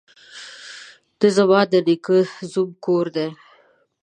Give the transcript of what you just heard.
ده ځما ده نيکه ده زوم کور دې.